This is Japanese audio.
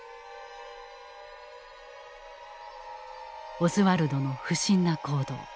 オズワルドの不審な行動。